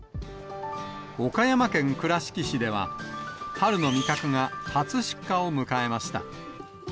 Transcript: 岡山県倉敷市では、春のみかくが初出荷を迎えました。